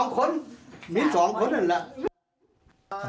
๒คนมี๒คนนั่นแหละ